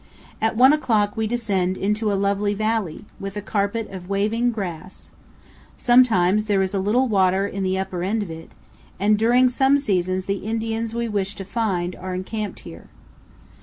At one o'clock we descend into a lovely valley, with a carpet of waving grass; sometimes there is a little water in the upper end of it, and during some seasons the Indians we wish to find are encamped here.